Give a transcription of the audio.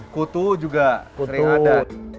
kutu juga sering ada